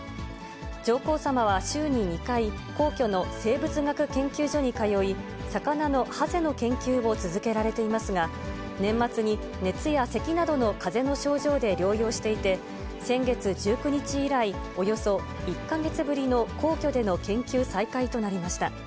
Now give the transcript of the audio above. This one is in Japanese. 上皇さまは週に２回、皇居の生物学研究所に通い、魚のハゼの研究を続けられていますが、年末に熱やせきなどのかぜの症状で療養されていて、先月１９日以来、およそ１か月ぶりの皇居での研究再開となりました。